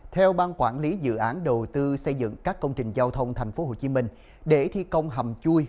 theo ban quản lý dự án đầu tư xây dựng các công trình giao thông tp hcm để thi công hầm chui